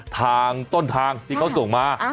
ทางต้นทางที่เขาส่งมา